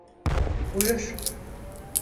Buyur.